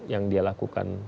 yang dia lakukan